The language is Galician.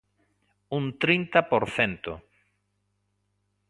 Un trinta por cento.